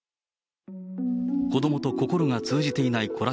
子どもと心が通じていないこら